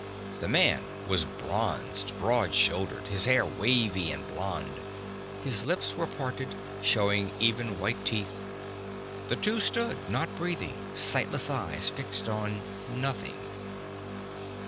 The man was bronzed, broad shouldered, his hair wavy and blond. His lips were parted, showing even white teeth. The two stood, not breathing, sightless eyes fixed on nothing.